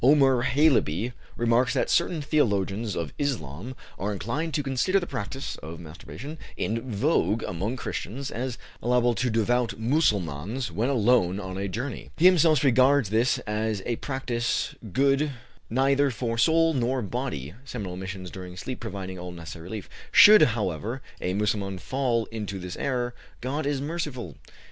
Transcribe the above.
Omer Haleby remarks that certain theologians of Islam are inclined to consider the practice of masturbation in vogue among Christians as allowable to devout Mussulmans when alone on a journey; he himself regards this as a practice good neither for soul nor body (seminal emissions during sleep providing all necessary relief); should, however, a Mussulman fall into this error, God is merciful!